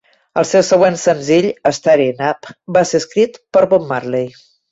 El seu següent senzill, "Stir It Up", va ser escrit per Bob Marley.